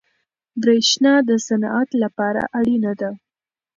برښنا د صنعت لپاره اړینه ده.